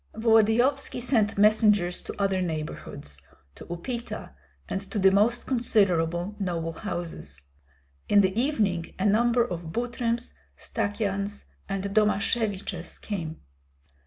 Volodyovski sent messengers to other neighborhoods, to Upita, and to the most considerable noble houses. In the evening a number of Butryms, Stakyans, and Domasheviches came.